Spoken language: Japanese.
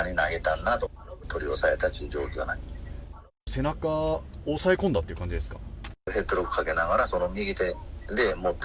背中を押さえ込んだという形ですか？